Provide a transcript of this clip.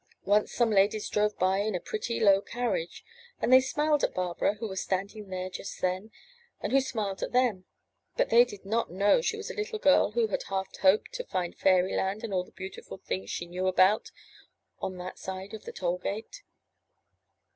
Once some ladies drove by in a pretty low carriage, and they smiled at Barbara, who was standing there just then, and who smiled at them, but they did not know she was a little girl who had half hoped to find fairy land and all the beautiful things she knew about, on that side of the toll gate.